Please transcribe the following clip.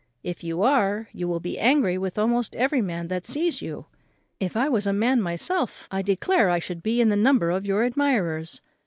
if you are, you will be angry with almost every man that sees you. If I was a man myself, I declare I should be in the number of your admirers.